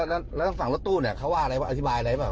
ครับแล้วทางรถตู้เขาว่าอะไรอธิบายอะไรบ้าง